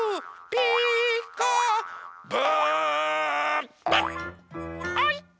「ピーカーブ！」